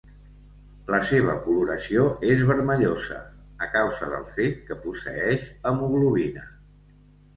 La seva coloració és vermellosa a causa del fet que posseeix hemoglobina.